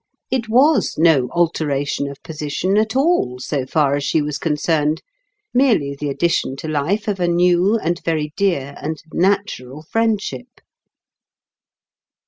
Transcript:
It was no alteration of position at all, so far as she was concerned; merely the addition to life of a new and very dear and natural friendship.